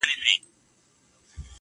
سیاه پوسي ده، رنگونه نسته~